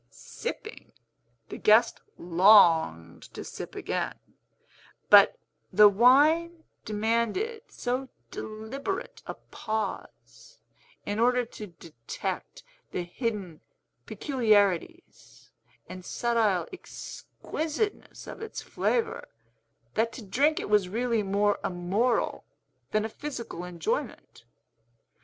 Sipping, the guest longed to sip again; but the wine demanded so deliberate a pause, in order to detect the hidden peculiarities and subtile exquisiteness of its flavor, that to drink it was really more a moral than a physical enjoyment.